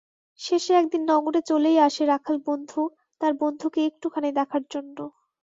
শেষে একদিন নগরে চলেই আসে রাখাল বন্ধু তার বন্ধুকে একটুখানি দেখার জন্য।